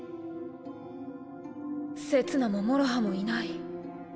せつなももろはもいない。